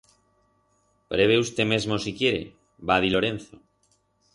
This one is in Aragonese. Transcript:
Prebe usté mesmo si quiere, va dir Lorenzo.